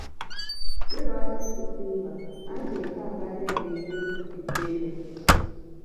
Ye lwaki si siiba anti n’eka mbadde ngejjulukukiddeyo.